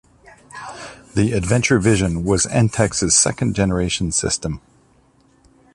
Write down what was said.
The Adventure Vision was Entex's second generation system.